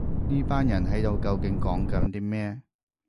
呢班人喺度究竟講緊啲咩